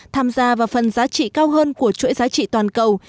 tham gia vào phần giá trị cao hơn của chuỗi giá trị toàn cầu